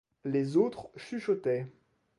Les autres chuchotaient.